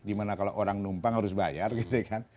dimana kalau orang numpang harus bayar gitu kan